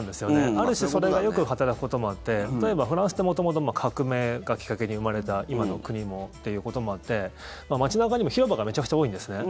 ある種、それがよく働くこともあって例えばフランスって元々、革命がきっかけに生まれた今の国もっていうこともあって街中にも広場がめちゃくちゃ多いんですね。